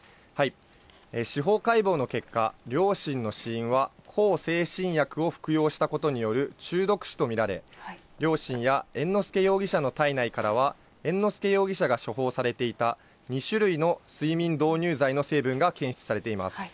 司法解剖の結果、両親の死因は、向精神薬を服用したことによる中毒死と見られ、両親や猿之助容疑者の体内からは、猿之助容疑者が処方されていた２種類の睡眠導入剤の成分が検出されています。